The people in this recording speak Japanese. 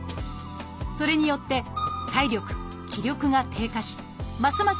それによって体力・気力が低下しますます